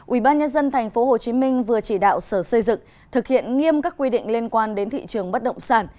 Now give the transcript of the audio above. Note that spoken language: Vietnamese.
ubnd tp hcm vừa chỉ đạo sở xây dựng thực hiện nghiêm các quy định liên quan đến thị trường bất động sản